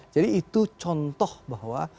jadi itu contoh bahwa